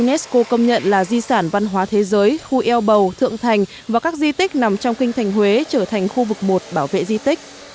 unesco công nhận là di sản văn hóa thế giới khu eo bầu thượng thành và các di tích nằm trong kinh thành huế trở thành khu vực một bảo vệ di tích